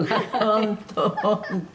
「本当本当」